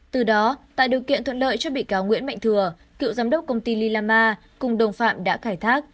từ đó tại điều kiện thuận lợi cho bị cáo nguyễn mạnh thừa cựu giám đốc công ty lilama cùng đồng phạm đã khai thác